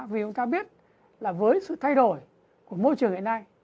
vì chúng ta biết là với sự thay đổi của môi trường hiện nay